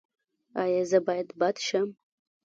ایا زه باید بد شم؟